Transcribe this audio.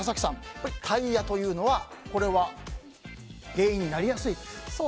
やっぱりタイヤというのはこれは、原因になりやすい？